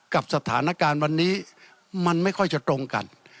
กับสถานการณ์วันนี้มันไม่ค่อยจะตรงกัน